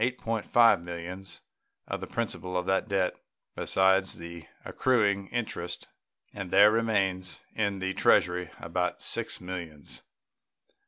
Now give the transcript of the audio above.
5 millions of the principal of that debt, besides the accruing interest; and there remain in the Treasury nearly $6 millions.